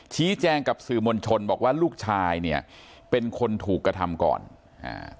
ชี้แจงกับสื่อมวลชนบอกว่าลูกชายเนี่ยเป็นคนถูกกระทำก่อนอ่า